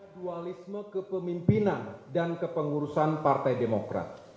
dualisme kepemimpinan dan kepengurusan partai demokrat